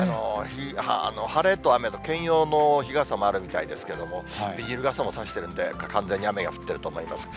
晴れと雨の兼用の日傘もあるみたいですけど、ビニール傘も差してるんで、完全に雨が降ってると思います。